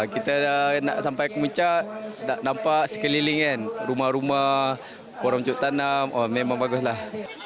kita sudah sampai kebun tak nampak sekeliling kan rumah rumah orang orang cukup tanam memang bagus lah